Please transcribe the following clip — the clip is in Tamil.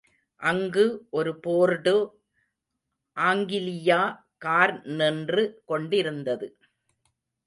அங்கு ஒரு போர்டு ஆங்கிலியா கார் நின்று கொண்டிருந்தது.